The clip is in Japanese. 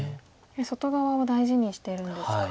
外側を大事にしてるんですか。